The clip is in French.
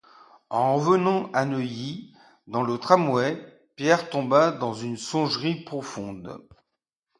En revenant à Neuilly, dans le tramway, Pierre tomba en une songerie profonde.